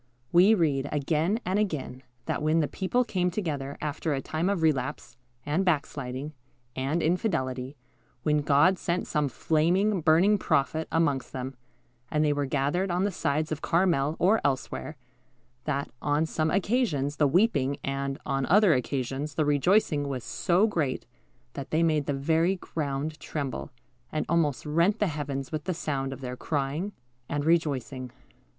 We read, again and again, that when the people came together after a time of relapse, and backsliding, and infidelity, when God sent some flaming, burning prophet amongst them, and they were gathered on the sides of Carmel or elsewhere, that, on some occasions, the weeping, and, on other occasions, the rejoicing, was so great that they made the very ground tremble, and almost rent the heavens with the sound of their crying and rejoicing.